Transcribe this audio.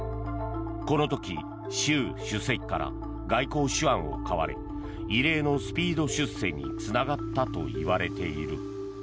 この時習主席から外交手腕を買われ異例のスピード出世につながったといわれている。